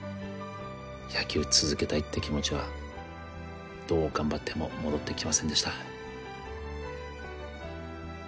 野球続けたいって気持ちはどう頑張っても戻ってきませんでした